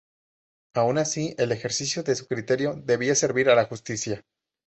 Aun así, el ejercicio de ese criterio debía servir a la justicia.